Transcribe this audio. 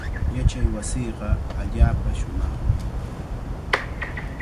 Yachaywasiiqa allaapa shumaqmi.